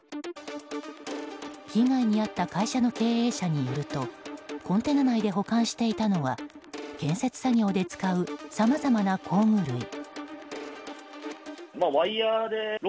被害に遭った会社の経営者によるとコンテナ内で保管していたのは建設作業で使うさまざまな工具類。